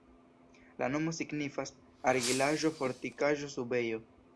La nomo signifas: argilaĵo-fortikaĵo-subejo.